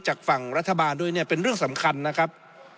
จากฝั่งรัฐบาลด้วยเนี่ยเป็นเรื่องสำคัญนะครับ